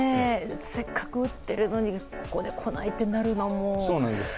せっかく打っているのにここで来ないとなるのも。